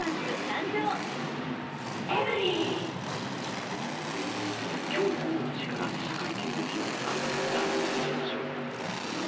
丸くなるな星になれきょう午後２時から記者会見を開いたジャニーズ事務所。